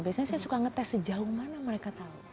biasanya saya suka ngetes sejauh mana mereka tahu